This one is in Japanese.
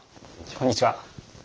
こんにちは。